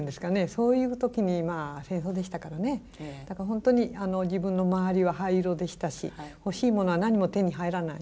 そういう時に戦争でしたからねだから本当に自分の周りは灰色でしたし欲しいものは何も手に入らない。